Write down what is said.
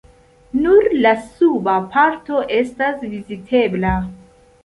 Nur la suba parto estas vizitebla.